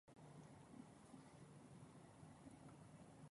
Crawford played for the Portsmouth club United Services.